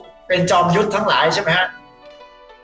เป็นจอมยุทธ์ทั้งหลายใช่ไหมครับ